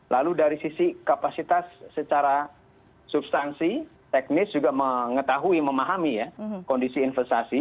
lalu dari sisi kapasitas secara substansi teknis juga mengetahui memahami ya kondisi investasi